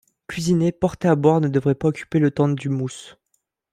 Cuisiner, porter à boire ne devrait pas occuper le temps du mousse.